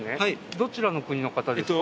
どちらの国の方ですか？